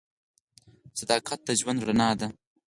• صداقت د ژوند رڼا ده.